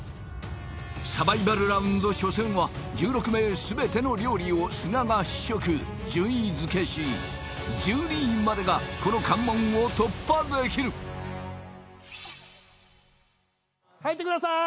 サバイバルラウンド初戦は１６名全ての料理を須賀が試食順位付けし１２位までがこの関門を突破できる入ってください